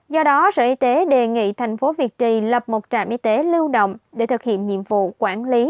do đó sở y tế đề nghị thành phố việt trì lập một trạm y tế lưu động để thực hiện nhiệm vụ quản lý